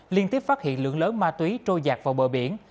liên tiếp phát hiện lượng lớn ma túy trôi giạt vào bờ biển